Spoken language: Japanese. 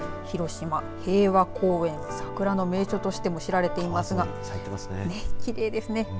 広島平和公園、桜の名所としても知られていますがきれいですね。